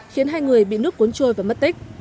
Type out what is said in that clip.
khiến hai người bị nước cuốn trôi và mất tích